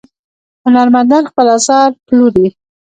هنرمندان خپل اثار پلوري.